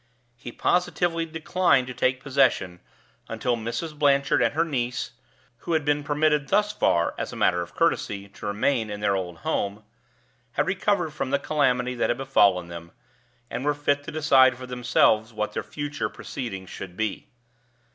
He positively declined to take possession until Mrs. Blanchard and her niece (who had been permitted thus far, as a matter of courtesy, to remain in their old home) had recovered from the calamity that had befallen them, and were fit to decide for themselves what their future proceedings should be.